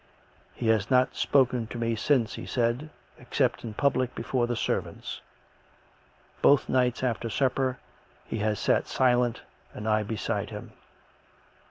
" He has not spoken to me since," he said, " except in public before the servants. Both nights after supper he has sat silent and I beside him."